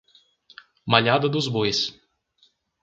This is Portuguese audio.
Malhada dos Bois